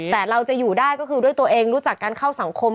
แต่เราจะอยู่ได้ก็คือด้วยตัวเองรู้จักการเข้าสังคม